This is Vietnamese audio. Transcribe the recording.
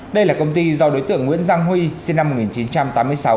đây là công ty do đối tượng nguyễn giang huy sinh năm một nghìn chín trăm tám mươi sáu